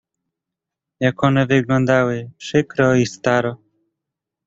"Jak one wyglądały przykro i staro!"